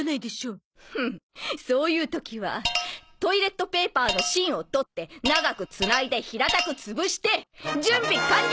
フッそういう時はトイレットペーパーの芯を取って長くつないで平たく潰して準備完了！